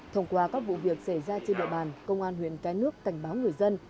thông qua các vụ việc xảy ra trên địa bàn công an huyện cái nước cảnh báo người dân